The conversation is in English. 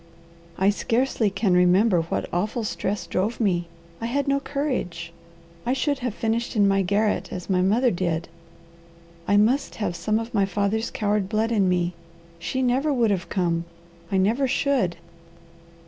I scarcely can remember what awful stress drove me. I had no courage. I should have finished in my garret as my mother did. I must have some of my father's coward blood in me. She never would have come. I never should!"